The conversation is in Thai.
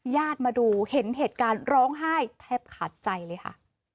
ญาติมาดูเห็นเหตุการณ์ร้องไห้แทบขาดใจเลยค่ะ